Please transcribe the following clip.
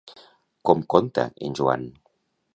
Com conta en Joan?